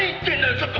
ちょっと」